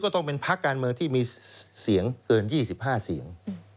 ต้องเป็นพักการเมืองที่มีเสียงเกิน๒๕เสียง